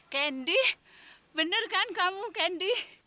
candy bener kan kamu candy